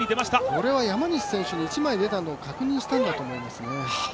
これは山西選手に一枚出たのを確認したんだと思いますね。